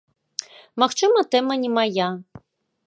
Магчыма, тэма не мая.